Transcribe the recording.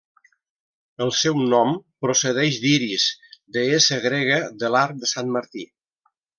El seu nom procedeix d'Iris, deessa grega de l'arc de Sant Martí.